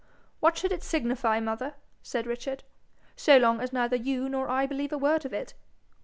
'What should it signify, mother,'' said Richard, 'so long as neither you nor I believe a word of it?